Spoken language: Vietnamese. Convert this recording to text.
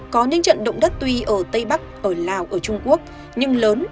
có những trận động đất tuy ở tây bắc ở lào ở trung quốc nhưng lớn